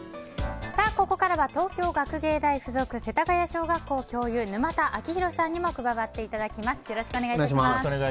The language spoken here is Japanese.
ここからは、東京学芸大附属世田谷小学校教諭沼田晶弘さんにも加わっていただきます。